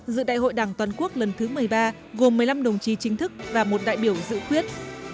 dự đại hội đảng toàn quốc lần thứ một mươi ba gồm một mươi năm đồng chí chính thức và một đại biểu dự quyết